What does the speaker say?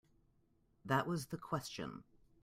That was the question.